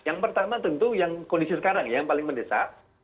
yang pertama tentu yang kondisi sekarang ya yang paling mendesak